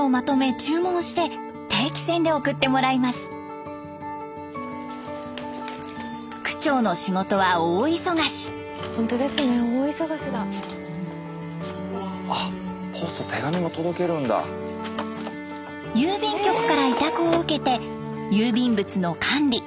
郵便局から委託を受けて郵便物の管理・配達。